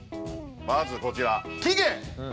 まずこちら起源。